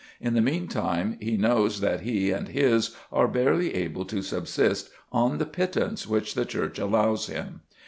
In the meantime, he knows that he and his are barely able to subsist on the pittance which the Church allows him.